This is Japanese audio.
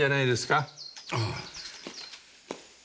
ああ。